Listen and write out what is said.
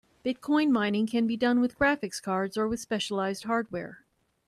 Bitcoin mining can be done with graphic cards or with specialized hardware.